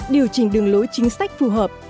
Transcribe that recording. điều chỉnh đường lối chính sách phù hợp